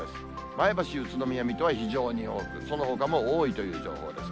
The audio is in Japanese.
前橋、宇都宮、水戸は非常に多く、そのほかも多いという情報です。